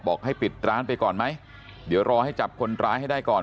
บอกให้ปิดร้านไปก่อนไหมเดี๋ยวรอให้จับคนร้ายให้ได้ก่อน